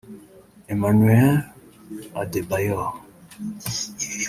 Emmanuel Adebayor